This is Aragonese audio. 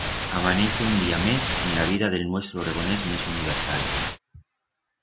Amanece un día mes en la vida d'el nuestro oregonés mes universal.